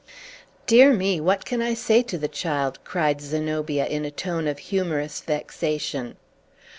"Dear me, what can I say to the child!" cried Zenobia in a tone of humorous vexation.